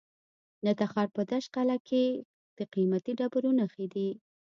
د تخار په دشت قلعه کې د قیمتي ډبرو نښې دي.